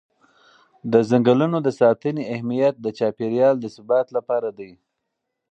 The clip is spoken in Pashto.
د ځنګلونو د ساتنې اهمیت د چاپېر یال د ثبات لپاره دی.